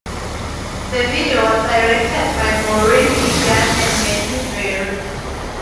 The video was directed by Maureen Egan and Matthew Barry.